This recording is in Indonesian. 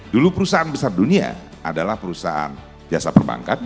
dulu perusahaan besar dunia adalah perusahaan jasa perbankan